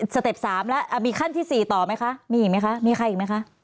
เต็ป๓แล้วมีขั้นที่๔ต่อไหมคะมีอีกไหมคะมีใครอีกไหมคะ